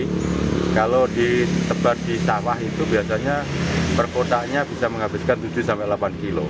jadi kalau ditebar di sawah itu biasanya perkotaknya bisa menghabiskan tujuh delapan kilo